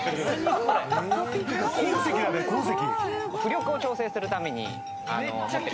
鉱石だね鉱石。